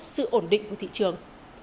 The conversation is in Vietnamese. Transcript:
sự ổn định của thị trường